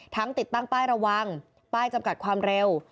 ติดตั้งป้ายระวังป้ายจำกัดความเร็ว